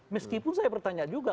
meskipun saya bertanya juga